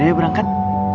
aduh ya berangkat